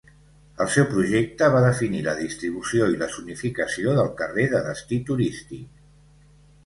El seu projecte va definir la distribució i la zonificació del carrer de destí turístic.